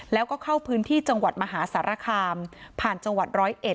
แล้วก็เข้าพื้นที่จังหวัดมหาสารคามผ่านจังหวัดร้อยเอ็ด